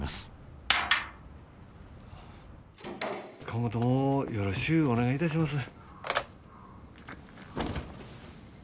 今後ともよろしゅうお願いいたします。